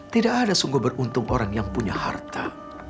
tidak ada sungguh beruntung orang yang punya harta